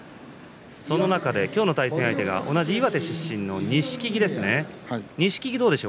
その中で今日の対戦相手は同じ岩手出身の錦木ですね。